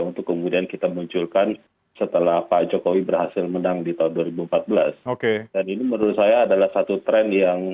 untuk kemudian kita munculkan setelah pak jokowi berhasil menang di tahun dua ribu empat belas